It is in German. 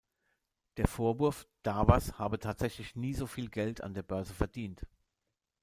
Der Vorwurf: Darvas habe tatsächlich nie so viel Geld an der Börse verdient.